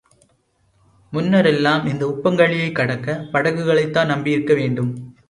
முன்னர் எல்லாம் இந்த உப்பங்கழியைக் கடக்க, படகுகளைத்தான் நம்பியிருக்க வேண்டும்.